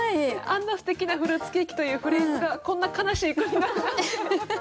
あんなすてきな「フルーツケーキ」というフレーズがこんな悲しい句になるんですね。